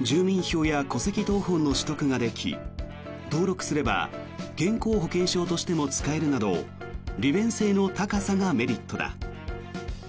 住民票や戸籍謄本の取得ができ登録すれば健康保険証としても使えるなど利便性の高さがメリットだ。